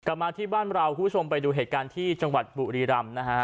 กลับมาที่บ้านเราคุณผู้ชมไปดูเหตุการณ์ที่จังหวัดบุรีรำนะฮะ